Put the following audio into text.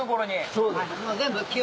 そうです。